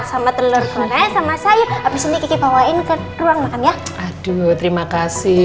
sama telur kemarin sama saya habis ini kiki bawain ke ruang makan ya aduh terima kasih